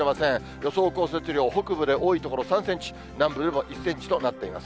予想降雪量、北部で多い所３センチ、南部でも１センチとなっています。